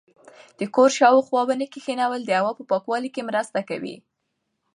د کور شاوخوا ونې کښېنول د هوا په پاکوالي کې مرسته کوي.